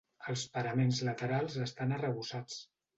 Els paraments laterals estan arrebossats.